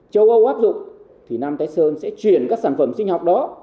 châu âu áp dụng thì nam thái sơn sẽ chuyển các sản phẩm sinh học đó